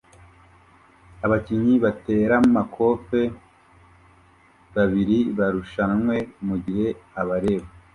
Abakinnyi bateramakofe babiri barushanwe mugihe abareba